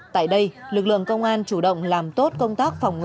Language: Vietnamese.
tại đây lực lượng công an chủ động làm tốt công tác